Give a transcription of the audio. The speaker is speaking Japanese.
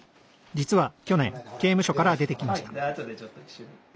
実は去年刑務所から出てきました。